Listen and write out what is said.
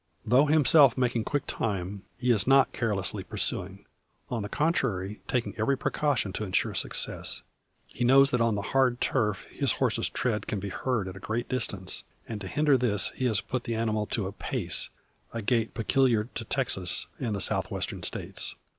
Though himself making quick time, he is not carelessly pursuing; on the contrary taking every precaution to ensure success. He knows that on the hard turf his horse's tread can be heard to a great distance; and to hinder this he has put the animal to a "pace" a gait peculiar to Texas and the South Western States.